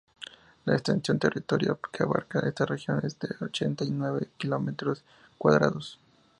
La extensión territorial que abarca esta región es de ochenta y nueve kilómetros cuadrados.